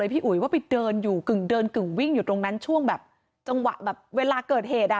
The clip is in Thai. พ้างที่คุณผู้ชมดูไปละค่ะ